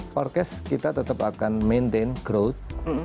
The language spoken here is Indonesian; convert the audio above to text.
forecast kita tetap akan maintain growth